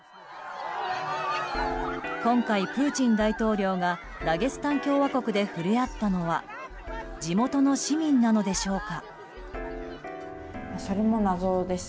今回、プーチン大統領がダゲスタン共和国で触れ合ったのは地元の市民なのでしょうか。